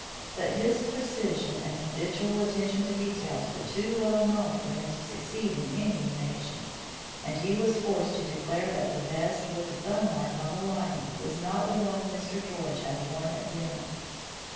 But his precision and habitual attention to details were too well known for him to succeed in any evasion, and he was forced to declare that the vest with the thumb mark on the lining was not the one Mr. George had worn at dinner.